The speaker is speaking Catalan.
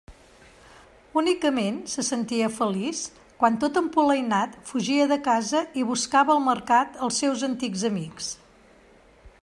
Únicament se sentia feliç quan, tot empolainat, fugia de casa i buscava al Mercat els seus antics amics.